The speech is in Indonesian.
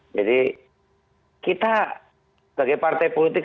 jadi kita sebagai partai politik